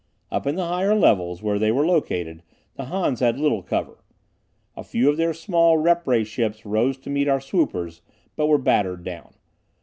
Up in the higher levels where they were located, the Hans had little cover. A few of their small rep ray ships rose to meet our swoopers, but were battered down.